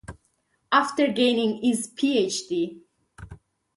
After gaining his Ph.D.